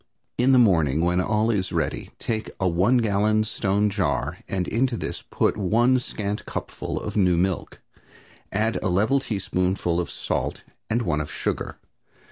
"In the morning, when all is ready, take a one gallon stone jar and into this put one scant cupful of new milk. Add a level teaspoonful of salt and one of sugar.